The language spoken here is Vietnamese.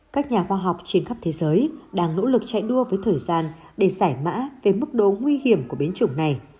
các nhà khoa học trên khắp thế giới đang nỗ lực chạy đua với thời gian để giải mã về mức độ nguy hiểm của biến chủng này